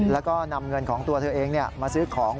แล้วก็นำเงินของตัวเธอเองมาซื้อของ